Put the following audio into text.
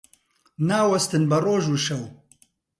ناوەستن بە ڕۆژ و شەو